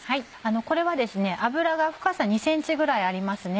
これは油が深さ２ｃｍぐらいありますね。